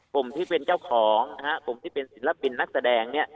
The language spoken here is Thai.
กลุ่มที่เป็นเจ้าของกลุ่มที่เป็นศิลปินนักแสดง